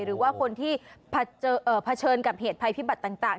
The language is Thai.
หรือว่าคนที่เผชิญกับเหตุภัยพิบัติต่าง